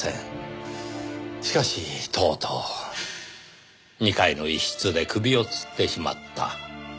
しかしとうとう２階の一室で首を吊ってしまった。